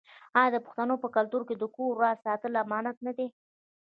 آیا د پښتنو په کلتور کې د کور راز ساتل امانت نه دی؟